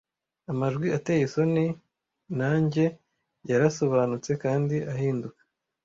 Amajwi ateye isoni na njye yarasobanutse kandi ahinduka .